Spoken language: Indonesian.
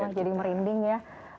allah jadi merinding ya